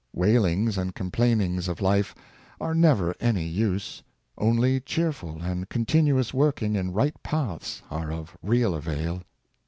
Wailings and complainings of life are never of any use; ^nly cheerful and continuous working in right paths are of real avail.